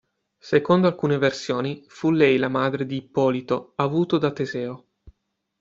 Secondo alcune versioni fu lei la madre di Ippolito avuto da Teseo.